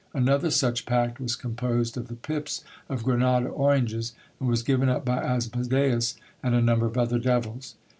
Another such pact was composed of the pips of Grenada oranges, and was given up by Asmodeus and a number of other devils.